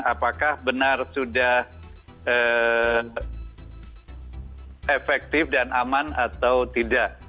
apakah benar sudah efektif dan aman atau tidak